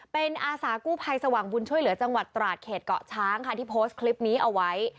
เป็นอาสากู้ภัยสว่างบุญช่วยเหลือจังหวัดตราดเขตเกาะช้างค่ะที่โพสต์คลิปนี้เอาไว้